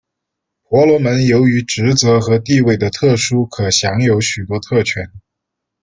婆罗门由于职责和地位的特殊可享有许多特权。